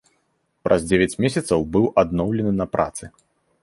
Праз дзевяць месяцаў быў адноўлены на працы.